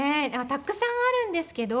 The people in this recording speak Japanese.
たくさんあるんですけど。